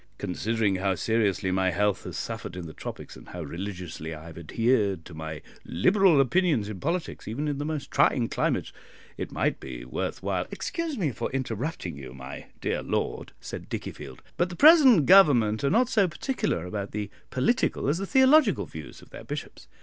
Considering how seriously my health has suffered in the tropics, and how religiously I have adhered to my Liberal opinions in politics even in the most trying climates, it might be worth while " "Excuse me for interrupting you, my dear lord," said Dickiefield, "but the present Government are not so particular about the political as the theological views of their bishops.